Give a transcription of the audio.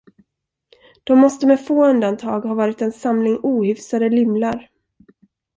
De måste med få undantag ha varit en samling ohyfsade lymlar.